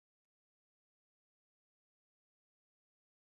Festa hitza gaur aipatzeak ez du inolako zentzurik.